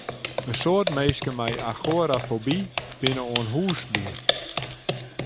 In soad minsken mei agorafoby binne oan hûs bûn.